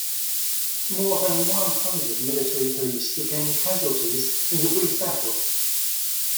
More than one hundred military police became casualties in the brief battle.